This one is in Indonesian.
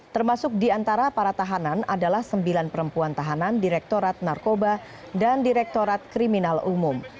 termasuk di antara para tahanan adalah sembilan perempuan tahanan direktorat narkoba dan direktorat kriminal umum